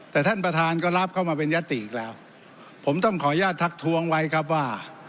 แต่ท่านประธานก็รับเข้ามาเป็นยติอีกแล้วผมต้องขออนุญาตทักทวงไว้ครับว่า